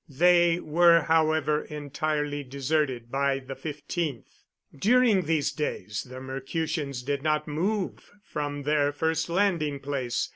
They were, however, entirely deserted by the 15th. During these days the Mercutians did not move from their first landing place.